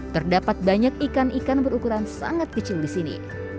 terdapat banyak ikan ikan berukuran sangat kecil di sini